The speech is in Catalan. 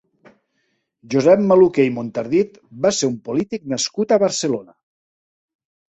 Josep Maluquer i Montardit va ser un polític nascut a Barcelona.